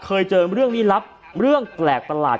เคยเจอเรื่องลี้ลับเรื่องแปลกประหลาด